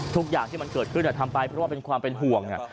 ทุกอย่างที่มันเกิดขึ้นทำไปเพราะว่าเป็นความเป็นห่วง